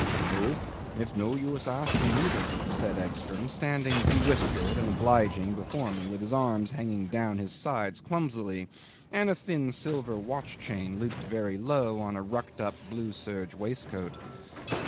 "No. It's no use asking either," said Egstrom, standing bewhiskered and obliging before me with his arms hanging down his sides clumsily, and a thin silver watch chain looped very low on a rucked up blue serge waistcoat.